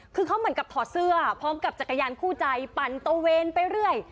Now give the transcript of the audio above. คือเขาเหมือนกับถอดเสื้อพร้อมกับจักรยานคู่ใจปั่นตะเวนไปเรื่อย